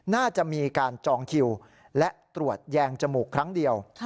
น่าจะมีการจองคิวและตรวจแยงจมูกครั้งเดียว